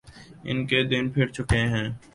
ان کے دن پھر چکے ہیں۔